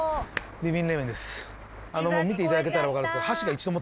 見ていただけたら分かるんですけど。